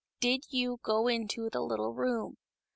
Did you go into the little room